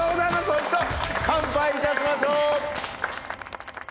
おいしそう乾杯いたしましょう！